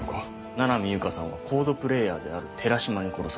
七海悠香さんはＣＯＤＥプレイヤーである寺島に殺された。